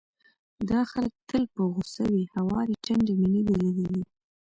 دا خلک تل په غوسه وي، هوارې ټنډې مې نه دي ليدلې،